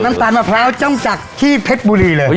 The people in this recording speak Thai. น้ำตาลมะพร้าวจ้องจากที่เผ็ดบุรีเลย